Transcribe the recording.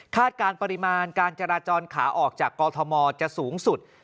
คาดการณ์ปริมาณการจราจรขาออกจากกอลทอมอร์จะสูงสุด